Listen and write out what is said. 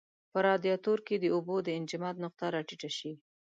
په رادیاتور کې د اوبو د انجماد نقطه را ټیټه شي.